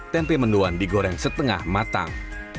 tempe menduan digoreng setengah matang